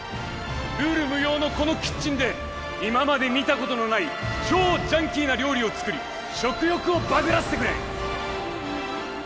ルール無用のこのキッチンで今まで見たことのない超ジャンキーな料理を作りいざ